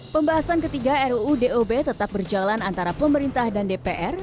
pembahasan ketiga ruu dob tetap berjalan antara pemerintah dan dpr